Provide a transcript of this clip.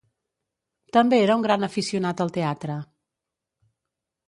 També era un gran aficionat al teatre.